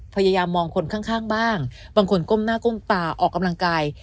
พยายามมองคนข้างบ้างบางคนก้มหน้าก้มตาออกกำลังกาย